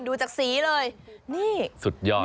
ดูจากสีเลยนี่สุดยอด